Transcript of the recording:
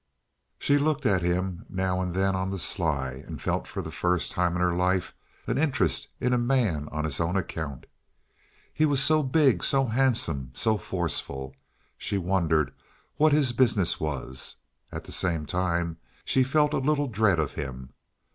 She looked at him now and then on the sly, and felt, for the first time in her life, an interest in a man on his own account. He was so big, so handsome, so forceful. She wondered what his business was. At the same time she felt a little dread of him.